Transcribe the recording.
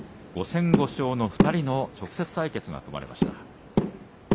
５戦５勝の２人の直接対決が組まれました。